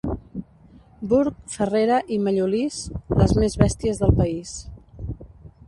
Burg, Farrera i Mallolís: les més bèsties del país.